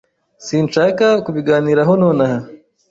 Sinshaka kubiganiraho nonaha.